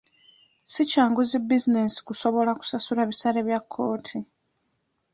Si kyangu zi bizinensi kusobola kusasula ebisale bya kkooti.